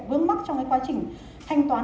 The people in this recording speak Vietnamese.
vướng mắt trong cái quá trình thanh toán